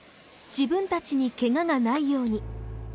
自分たちにケガがないように。